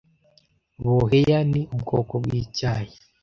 Boheya ni ubwoko bwicyayi